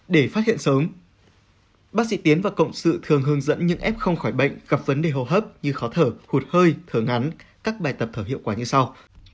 để phát hiện sớm bác sĩ tiến và cộng sự thường hướng dẫn những f không khỏi bệnh gặp vấn đề hô hấp như khó thở hụt hơi thở ngắn các bài tập thở hiệu quả như sau